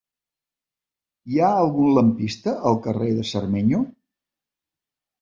Hi ha algun lampista al carrer de Cermeño?